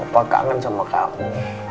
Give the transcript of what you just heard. opa kangen sama kamu